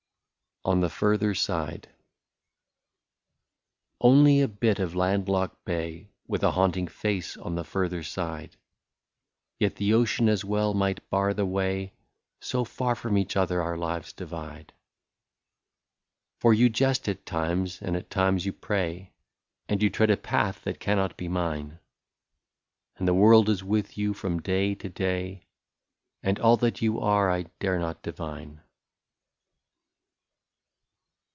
88 ON THE FURTHER SIDE. Only a bit of land locked bay, With a haunting face on the further side ; Yet the ocean as well might bar the way, So far from each other our lives divide. For you jest at times, and at times you pray, And you tread a path that cannot be mine And the world is with you from day to day. And all that you are, I dare not divine.